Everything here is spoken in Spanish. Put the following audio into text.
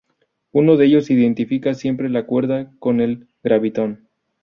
Uno de ellos identifica siempre la cuerda con el gravitón.